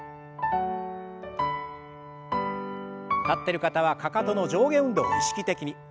立ってる方はかかとの上下運動を意識的に。